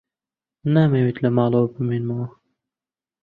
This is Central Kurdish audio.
نامەوێت لە ماڵەوە بمێنمەوە.